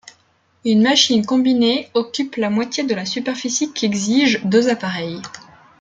Une machine combinée occupe la moitié de la superficie qu’exigent deux appareils.